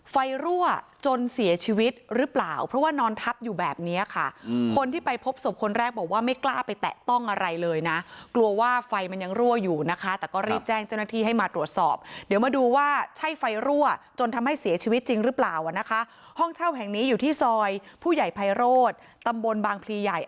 ไฟรั่วจนเสียชีวิตหรือเปล่าเพราะว่านอนทับอยู่แบบเนี้ยค่ะคนที่ไปพบศพคนแรกบอกว่าไม่กล้าไปแตะต้องอะไรเลยนะกลัวว่าไฟมันยังรั่วอยู่นะคะแต่ก็รีบแจ้งเจ้าหน้าที่ให้มาตรวจสอบเดี๋ยวมาดูว่าใช่ไฟรั่วจนทำให้เสียชีวิตจริงหรือเปล่าอ่ะนะคะห้องเช่าแห่งนี้อยู่ที่ซอยผู้ใหญ่ไพโรธตำบลบางพลีใหญ่